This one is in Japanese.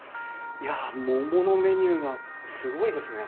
いや桃のメニューがすごいですね。